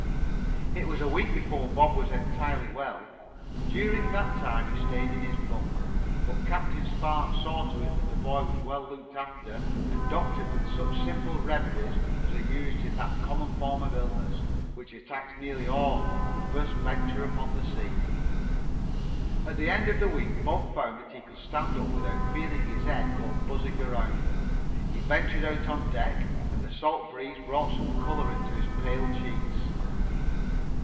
It was a week before Bob was entirely well. During that time he stayed in his bunk, but Captain Spark saw to it that the boy was well looked after and doctored with such simple remedies as are used in that common form of illness, which attacks nearly all who first venture upon the sea. At the end of the week Bob found that he could stand up without feeling his head go buzzing around. He ventured out on deck, and the salt breeze brought some color into his pale cheeks.